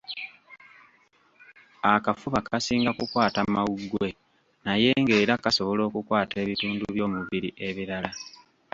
Akafuba kasinga kukwata mawuggwe naye ng'era kasobola okukwata ebitundu by'omubiri ebirala